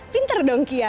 pinter dong kia